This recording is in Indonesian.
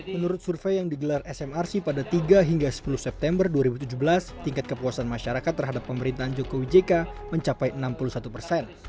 menurut survei yang digelar smrc pada tiga hingga sepuluh september dua ribu tujuh belas tingkat kepuasan masyarakat terhadap pemerintahan jokowi jk mencapai enam puluh satu persen